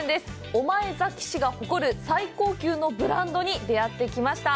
御前崎市が誇る最高級のブランドに出会ってきました。